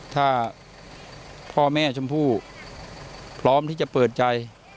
ถ้าพ่อแม่ชมพู่พร้อมที่จะเปิดใจ